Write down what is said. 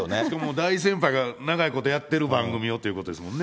大先輩が長いことやっている番組をということですもんね。